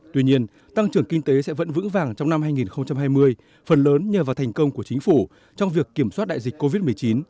tuy nhiên tăng trưởng kinh tế sẽ vẫn vững vàng trong năm hai nghìn hai mươi phần lớn nhờ vào thành công của chính phủ trong việc kiểm soát đại dịch covid một mươi chín